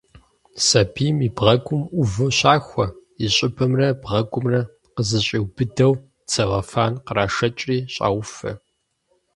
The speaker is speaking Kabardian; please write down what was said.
Сабийм и бгъэгум ӏуву щахуэ, и щӏыбымрэ бгъэгумрэ къызэщӏиубыдэу целлофан кърашэкӏри, щӏауфэ.